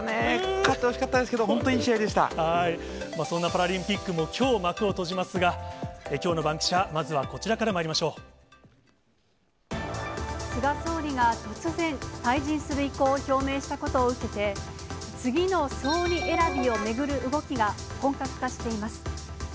勝ってほしかったですけど、そんなパラリンピックも、きょう幕を閉じますが、きょうのバンキシャ、まずはこちらからま菅総理が突然、退陣する意向を表明したことを受けて、次の総理選びを巡る動きが本格化しています。